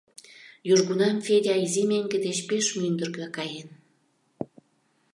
Южгунам Федя изи меҥге деч пеш мӱндыркӧ каен.